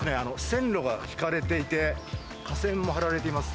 線路が敷かれていて、架線も張られています。